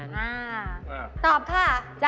อ่าตอบค่ะ